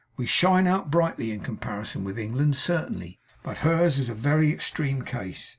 We shine out brightly in comparison with England, certainly; but hers is a very extreme case.